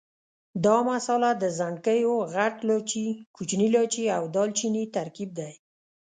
دا مساله د ځڼکیو، غټ لاچي، کوچني لاچي او دال چیني ترکیب دی.